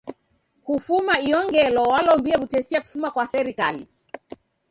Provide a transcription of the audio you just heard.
Kufuma iyo ngelo walombie w'utesia kufuma kwa serikali.